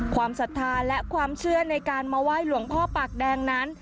ศรัทธาและความเชื่อในการมาไหว้หลวงพ่อปากแดงนั้น